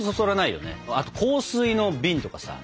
あと香水の瓶とかさ。